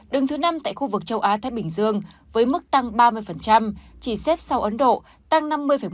đứng thứ năm tại khu vực châu á thái bình dương với mức tăng ba mươi chỉ xếp sau ấn độ tăng năm mươi một